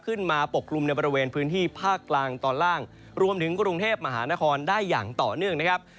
ปกกลุ่มในบริเวณพื้นที่ภาคกลางตอนล่างรวมถึงกรุงเทพมหานครได้อย่างต่อเนื่องนะครับ